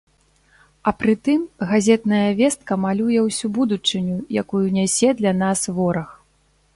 А прытым, газетная вестка малюе ўсю будучыню, якую нясе для нас вораг.